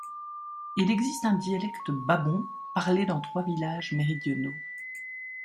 Il existe un dialecte babon parlé dans trois villages méridionaux.